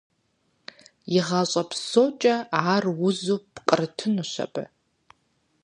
И гъащӀэ псокӀэ ар узу пкърытынущ абы…